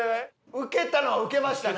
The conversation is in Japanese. ウケたのはウケましたね。